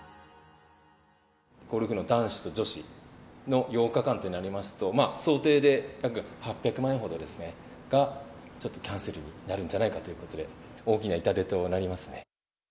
ゴルフの男子と女子の８日間ってなりますと、想定で約８００万円ほどが、ちょっとキャンセルになるんじゃないかということで、大きな痛手となりますね。